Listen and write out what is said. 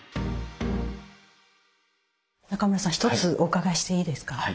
中村さん一つお伺いしていいですか。